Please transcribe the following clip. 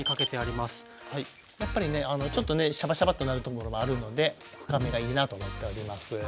やっぱりねちょっとねシャバシャバッとなるところもあるので深めがいいなと思っております。